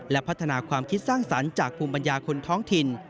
และพัฒนาความคิดสร้างสรรค์จากภูมิปัญญาคนท้องถิ่น